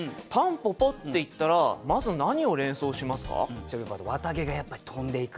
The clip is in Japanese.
蒲公英っていったらまず何を連想しますか？って